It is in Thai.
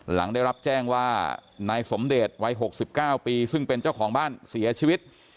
หลังได้รับแจ้งว่านายสมเดชวัย๖๙ปีซึ่งเป็นเจ้าของบ้านเสียชีวิต